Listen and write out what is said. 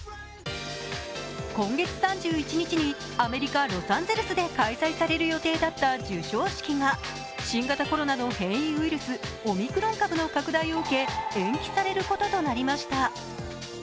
今月３１日に、アメリカ・ロサンゼルスで開催される予定だった授賞式が、新型コロナの変異ウイルスオミクロン株の拡大を受け延期されることとなりました。